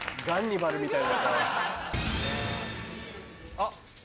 あっ。